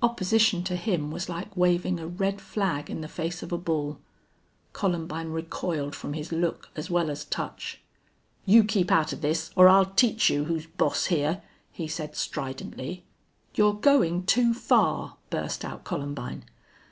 Opposition to him was like waving a red flag in the face of a bull. Columbine recoiled from his look as well as touch. "You keep out of this or I'll teach you who's boss here," he said, stridently. "You're going too far!" burst out Columbine.